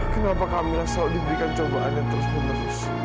kenapa kamila selalu diberikan cobaan yang terus terus